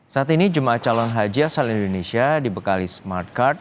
saat ini jemaah calon haji asal indonesia dibekali smart card